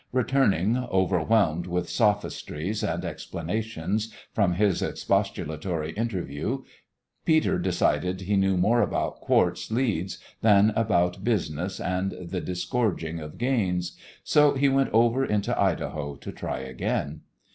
Returning overwhelmed with sophistries and "explanations" from his expostulatory interview, Peter decided he knew more about quartz leads than about business and the disgorging of gains, so he went over into Idaho to try again.